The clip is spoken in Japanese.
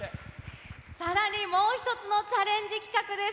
さらにもう一つのチャレンジ企画です。